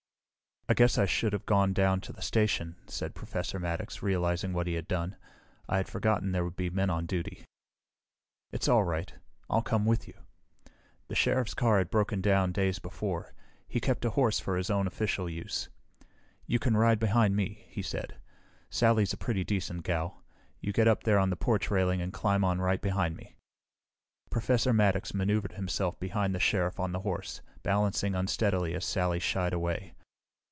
"I guess I should have gone down to the station," said Professor Maddox, realizing what he had done. "I had forgotten there would be men on duty." "It's all right. I'll come with you." The Sheriff's car had broken down days before. He kept a horse for his own official use. "You can ride behind me," he said. "Sally's a pretty decent gal. You get up there on the porch railing and climb on right behind me." Professor Maddox maneuvered himself behind the Sheriff on the horse, balancing unsteadily as Sally shied away.